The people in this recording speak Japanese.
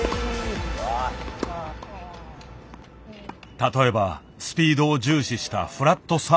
例えばスピードを重視したフラットサーブでは。